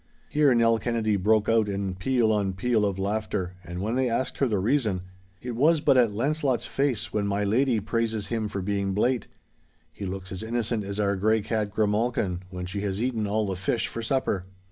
Here Nell Kennedy broke out in peal on peal of laughter, and when they asked her the reason,— 'It was but at Launcelot's face when my lady praises him for being blate. He looks as innocent as our grey cat Grimalkin, when she has eaten all the fish for supper.